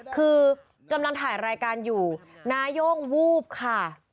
คือกำลังถ่ายรายการอยู่นาย่งวูบค่ะ